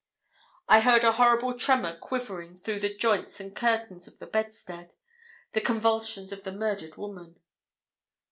I heard a horrible tremor quivering through the joints and curtains of the bedstead the convulsions of the murdered woman.